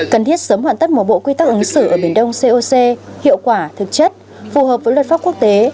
cần thiết sớm hoàn tất một bộ quy tắc ứng xử ở biển đông coc hiệu quả thực chất phù hợp với luật pháp quốc tế